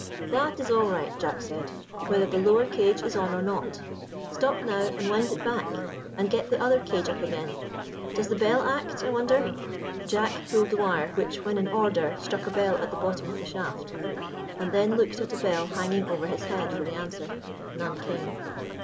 "That is all right," Jack said, "whether the lower cage is on or not. Stop now, and wind it back, and get the other cage up again. Does the bell act, I wonder?" Jack pulled the wire which, when in order, struck a bell at the bottom of the shaft, and then looked at a bell hanging over his head for the answer. None came.